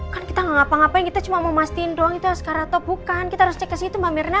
kan kita ngapa ngapain kita cuma mau masin doang itu oscar atau bukan kita harus cek ke situ mbak mirna